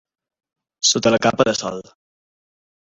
Sota la capa del sol.